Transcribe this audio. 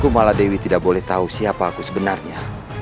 malah dewi tidak boleh tahu siapa aku sebenarnya